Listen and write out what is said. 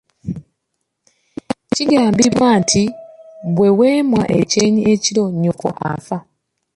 Kigambibwa nti bwe weemwa ekyenyi ekiro nnyoko afa.